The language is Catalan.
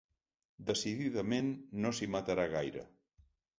Decididament no s'hi matarà gaire.